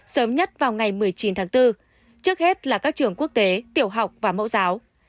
sớm nhất vào ngày một mươi chín tháng bốn trước hết là các trường quốc tế tiểu học và mẫu giáo